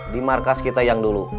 di markas kita yang dulu